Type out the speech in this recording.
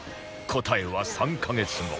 答えは３カ月後